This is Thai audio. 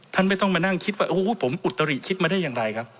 ไม่ต้องมานั่งคิดว่าโอ้โหผมอุตริคิดมาได้อย่างไรครับ